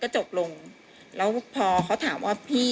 ใช่